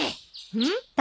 うん？